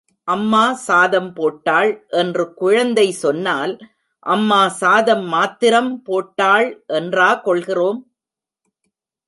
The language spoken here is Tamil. அம்மா சாதம் போட்டாள் என்று குழந்தை சொன்னால், அம்மா சாதம் மாத்திரம் போட்டாள் என்றா கொள்கிறோம்?